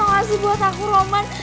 makasih buat aku roman